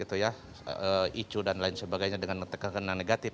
itu ya icu dan lain sebagainya dengan kena negatif